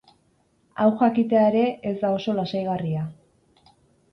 Hau jakitea ere ez da oso lasaigarria.